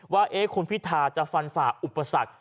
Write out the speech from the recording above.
ว่าเอ๊คุณพิธาจะฝันฝากอุปสรรค